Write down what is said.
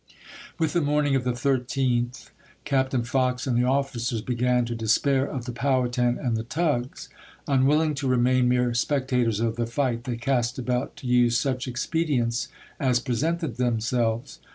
With the morning of the 13th, Captain Fox and the officers began to despair of the Powhatan and the tugs. Unwilling to remain mere spectators of the fight, they cast about to use such expedients as presented themselves.